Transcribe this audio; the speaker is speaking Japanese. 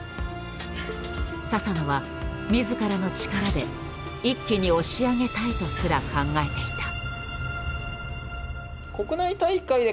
佐々野は自らの力で一気に押し上げたいとすら考えていた。